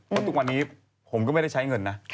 เพราะทุกวันนี้ผมก็ไม่ได้ใช้เงินนะ